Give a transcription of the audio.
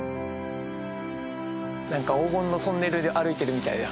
何か黄金のトンネルで歩いてるみたいだ。